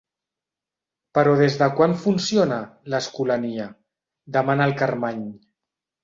Però des de quan funciona, l'Escolania? —demana el Carmany.